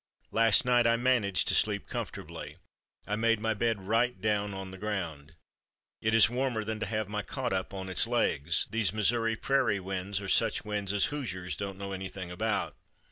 Last night I managed to sleep comfortably. I made my bed right down on the ground. It is warmer than to have my cot up on its legs. These Missouri prairie winds are such winds as Hoosiers don't know anything about.